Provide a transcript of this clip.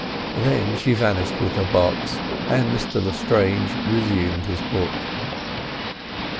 Then she vanished with her box, and Mr Lestrange resumed his book.